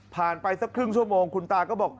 ไปสักครึ่งชั่วโมงคุณตาก็บอก